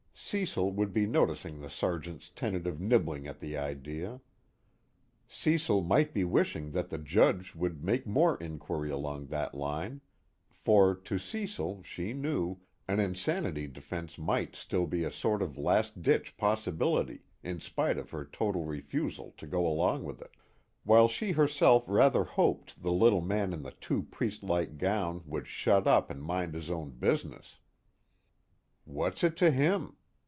Cecil would be noticing the Sergeant's tentative nibbling at the idea. Cecil might be wishing that the Judge would make more inquiry along that line for to Cecil, she knew, an insanity defense might still be a sort of last ditch possibility in spite of her total refusal to go along with it. While she herself rather hoped the little man in the too priestlike gown would shut up and mind his own business. _What's it to him?